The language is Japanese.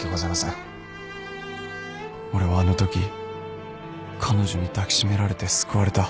俺はあのとき彼女に抱き締められて救われた